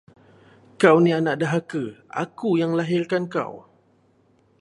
Kau ni anak derhaka, aku yang lahirkan kau.